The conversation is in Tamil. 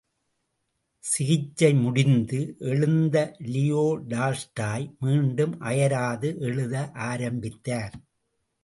சிகிச்சை முடிந்து எழுந்த லியோ டால்ஸ்டாய் மீண்டும் அயராது எழுத ஆரம்பித்தார்.